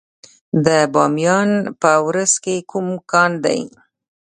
د بامیان په ورس کې کوم کان دی؟